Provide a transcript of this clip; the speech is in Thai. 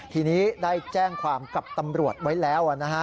ทีนี้ได้แจ้งความกับตำรวจไว้แล้วนะฮะ